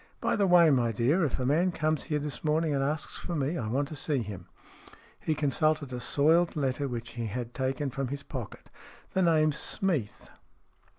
" By the way, my dear, if a man comes here this morning and asks for me, I want to see him." He consulted a soiled letter which he had taken from his pocket. "The name's Smeath."